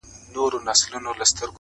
که دا دنیا او که د هغي دنیا حال ته ګورم,